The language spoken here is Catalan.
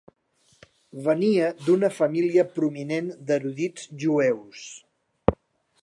Venia d'una família prominent d'erudits jueus.